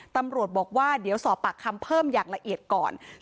ตำรวจบอกว่าเดี๋ยวสอบปากคำเพิ่มอย่างละเอียดก่อน